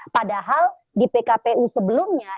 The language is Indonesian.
padahal di pkpu sebelumnya